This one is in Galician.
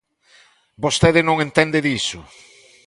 Vostede non entende diso.